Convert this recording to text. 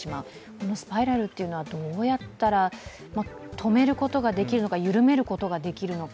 このスパイラルはどうやったら、止めることができるのか、緩めることができるのか。